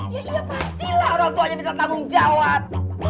ya iya pastilah orang tuh aja minta tanggung jawab